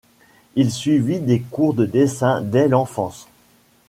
Il suivit des cours de dessin dès l'enfance.